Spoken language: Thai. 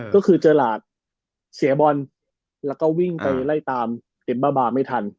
ก็คือเจอหลาดเสียบอลแล้วก็วิ่งไปไล่ตามเอ็มบ้าบาร์ไม่ทัน